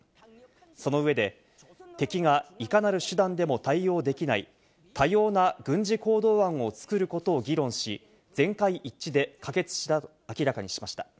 その上で、敵がいかなる手段でも対応できない多様な軍事行動案を作ることを議論し、全会一致で可決したと明らかにしました。